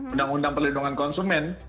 undang undang perlindungan konsumen